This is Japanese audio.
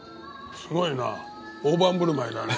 すごいな大盤振る舞いだね。